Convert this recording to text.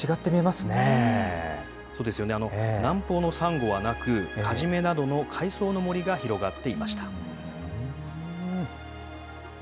そうですよね、南方のサンゴはなく、カジメなどの海藻の森が広がっていました。